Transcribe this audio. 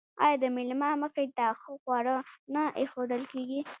آیا د میلمه مخې ته ښه خواړه نه ایښودل کیږي؟